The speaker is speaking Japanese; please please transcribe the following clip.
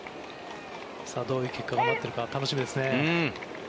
どういう結果が待っているか楽しみですね。